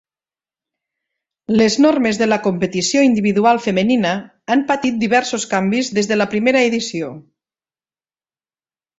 Les normes de la competició individual femenina ha patit diversos canvis des de la primera edició.